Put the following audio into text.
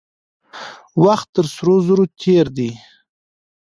وخت تر سرو زرو تېر دی.